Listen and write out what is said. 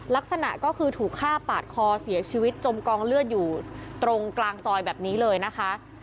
ลักษณะก็คือถูกฆ่าปาดคอเสียชีวิตจมกองเลือดอยู่ตรงกลางซอยแบบนี้เลยนะคะ